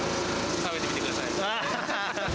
食べてみてください。